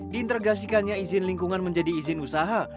diintegrasikannya izin lingkungan menjadi izin usaha